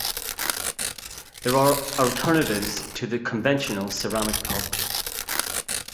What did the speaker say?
There are alternatives to the conventional ceramic pot.